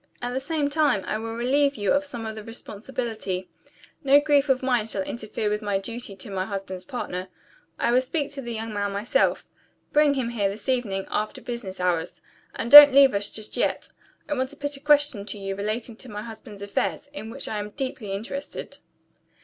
At the same time, I will relieve you of some of the responsibility. No grief of mine shall interfere with my duty to my husband's partner. I will speak to the young man myself. Bring him here this evening, after business hours. And don't leave us just yet; I want to put a question to you relating to my husband's affairs, in which I am deeply interested."